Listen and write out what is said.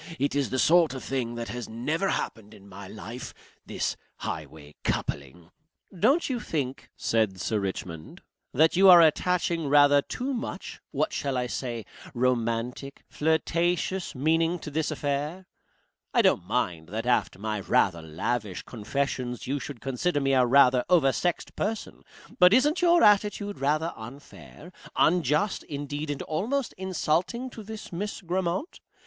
It is the sort of thing that has never happened in my life. This highway coupling " "Don't you think," said Sir Richmond, "that you are attaching rather too much what shall I say romantic? flirtatious? meaning to this affair? I don't mind that after my rather lavish confessions you should consider me a rather oversexed person, but isn't your attitude rather unfair, unjust, indeed, and almost insulting, to this Miss Grammont?